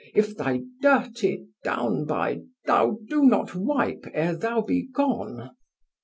If thy Dirty Dounby Thou do not wipe, ere thou be gone.